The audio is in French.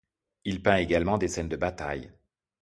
Il peint également des scènes de bataille.